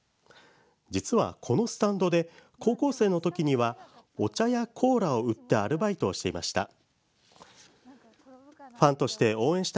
実はこのスタンドで高校生のときにはお茶やコーラを売ってアルバイトもしていました。